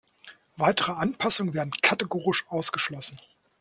Weitere Anpassungen werden kategorisch ausgeschlossen.